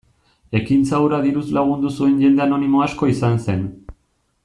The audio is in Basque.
Ekintza hura diruz lagundu zuen jende anonimo asko izan zen.